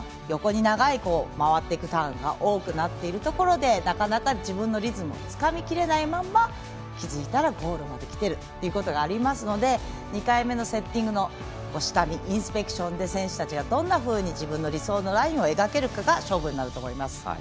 横に長く回っていくターンが多くなっていくところでなかなか自分のリズムをつかみきれないまま気付いたらゴールまで来ているということがありますので２回目のセッティングのインスペクションでどんなふうに選手たちが自分の理想のラインを描けるかが勝負になると思います。